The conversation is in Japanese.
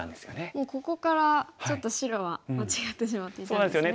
もうここからちょっと白は間違ってしまっていたんですね。